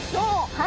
はい。